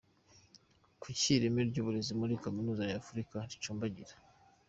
Kuki ireme ry’uburezi muri Kaminuza za Afurika ricumbagira?.